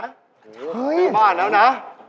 เฮ่ยไปบ้านแล้วนะ